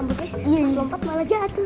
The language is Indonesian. mas lompat malah jatuh